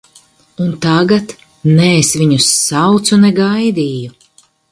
Un tagad, ne es viņus saucu, ne gaidīju.